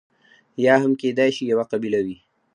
یا هم کېدای شي یوه قبیله وي.